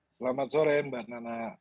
selamat sore mbak nana